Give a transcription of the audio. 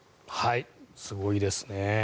すごいですね。